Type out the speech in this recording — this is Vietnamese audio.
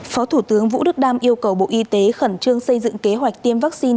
phó thủ tướng vũ đức đam yêu cầu bộ y tế khẩn trương xây dựng kế hoạch tiêm vaccine